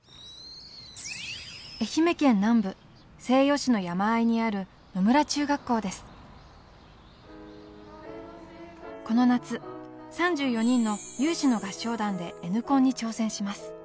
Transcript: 愛媛県南部西予市の山あいにあるこの夏３４人の有志の合唱団でＮコンに挑戦します。